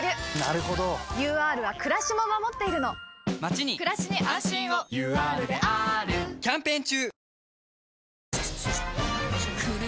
ＵＲはくらしも守っているのまちにくらしに安心をＵＲであーるキャンペーン中！